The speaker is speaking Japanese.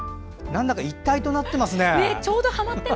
なんだか一体となってますね。